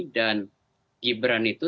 dan gibran itu